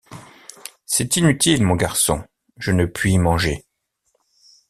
C’est inutile, mon garçon, je ne puis manger.